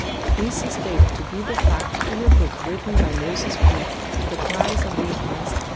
This is stated to be the fact in a book written by Moses Pitt, "The Cries of the Oppressed," 1691.